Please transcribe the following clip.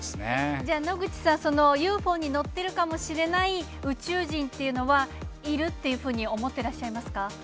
じゃあ野口さん、そのＵＦＯに乗っているかもしれない宇宙人っていうのは、いるっていうふうに思ってらっしゃいますか？